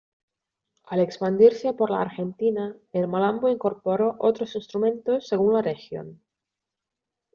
Al expandirse por la Argentina el malambo incorporó otros instrumentos según la región.